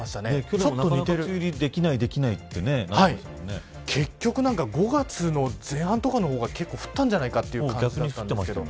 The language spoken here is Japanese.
梅雨入りできないできないって結局、５月の前半とかの方が結構降ったんじゃないかという感じがしますけど。